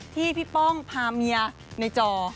ที่พี่ป้องพาเมียในจอ